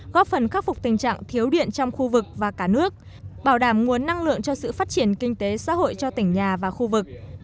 góp phần khắc phục tình trạng thiếu điện trong khu vực và cả nước bảo đảm nguồn năng lượng cho sự phát triển kinh tế xã hội cho tỉnh nhà và khu vực